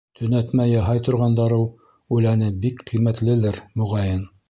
Төнәтмә яһай торған дарыу үләне бик ҡиммәтлелер, моғайын.